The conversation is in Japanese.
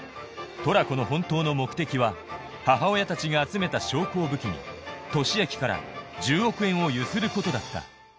トラコの本当の目的は母親たちが集めた証拠を武器に利明から１０億円をゆすることだった